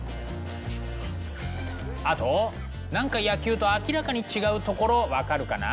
あと何か野球と明らかに違うところ分かるかな？